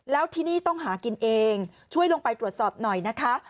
แล้วที่นี่ต้องหากินเองช่วยลงไปตรวจสอบหน่อยนะคะ